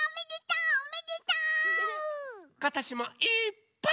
ことしもいっぱい。